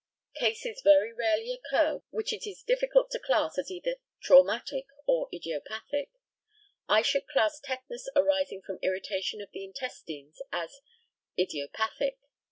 Cases very rarely occur which it is difficult to class as either "traumatic" or "idiopathic." I should class tetanus arising from irritation of the intestines as "idiopathic."